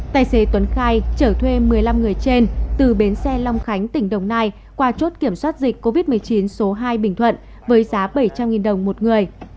tài xế tuấn khai trở thuê một mươi năm người trên từ bến xe long khánh tỉnh đồng nai qua chốt kiểm soát dịch covid một mươi chín số hai bình thuận với giá bảy trăm linh đồng một người